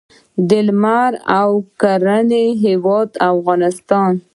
د لمر او کرنې هیواد افغانستان.